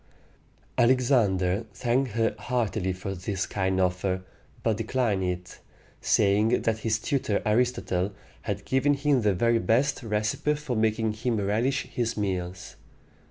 Alexander thanked her heartily for this kind offer, but declined it, saying that his tutor Aristotle had given him the very best recipe for making him relish his meals.